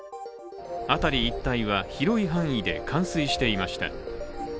辺り一帯は、広い範囲で冠水していました。